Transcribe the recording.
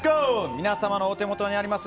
皆様のお手元にあります